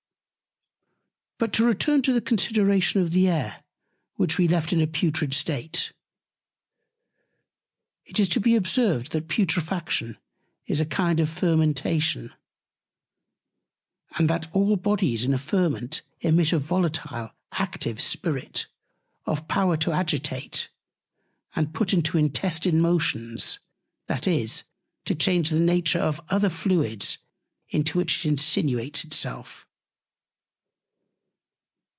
But to return to the Consideration of the Air, which we left in a putrid State: It is to be observed, that Putrefaction is a kind of Fermentation, and that all Bodies in a Ferment emit a volatile active Spirit, of Power to agitate, and put into intestine Motions, that is, to change the Nature of other Fluids into which it insinuates it self.